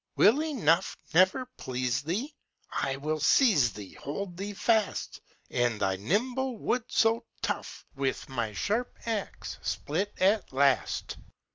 Will enough Never please thee? I will seize thee, Hold thee fast, And thy nimble wood so tough, With my sharp axe split at last.